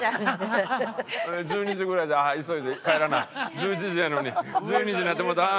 「１１時やのに１２時になってもうた。ああ」。